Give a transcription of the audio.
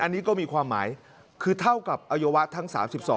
อันนี้ก็มีความหมายคือเท่ากับอวัยวะทั้ง๓๒